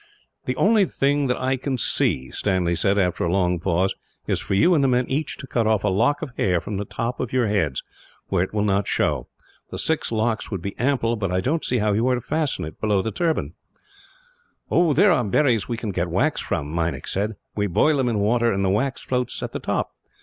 "The only thing that I can see," he said, after a long pause, "is for you and the men each to cut off a lock of hair from the top of your heads, where it will not show. The six locks would be ample; but I don't see how you are to fasten it, below the turban." "There are berries we can get wax from," Meinik said. "We boil them in water, and the wax floats at the top.